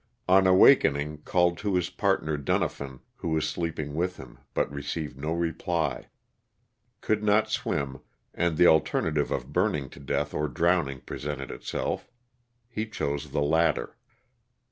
On awakening called to his partner Dunafin, who was sleeping with him, but received no reply. Could not swim, and the alternative of burning to death or drowning presented itself. He chose the latter.